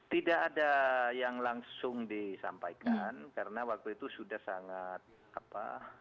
tidak ada yang langsung disampaikan karena waktu itu sudah sangat apa